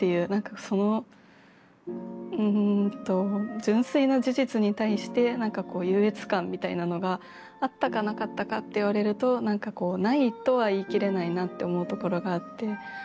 そのうんと純粋な事実に対して何かこう優越感みたいなのがあったかなかったかって言われると何かこうないとは言い切れないなって思うところがあって。